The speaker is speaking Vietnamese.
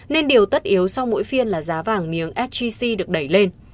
nên điều tất yếu so với mỗi phiên là giá vàng miếng sgc được đẩy lên